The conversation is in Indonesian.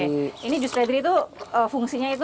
ini jus ledri itu fungsinya itu